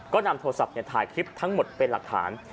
ก็นำโทรศัพท์ถ่ายคลิปทั้งหมดเป็นหลักฐาน